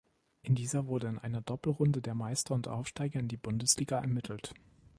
In dieser wurde in einer Doppelrunde der Meister und Aufsteiger in die Bundesliga ermittelt.